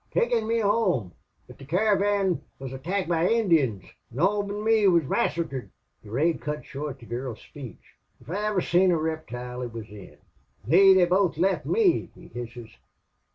Takin' me home. But the caravan wuz attacked by Injuns. An' all but me wor massacred." "Durade cut short the gurl's spache. If I iver seen a reptoile it wuz thin. "'Lee, they both left me,' he hisses.